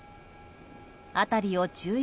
辺りを注意